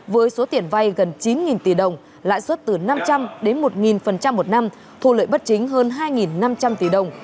với số tiền vay gần chín tỷ đồng lãi suất từ năm trăm linh đến một một năm thu lợi bất chính hơn hai năm trăm linh tỷ đồng